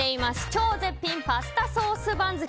超絶品パスタソース番付。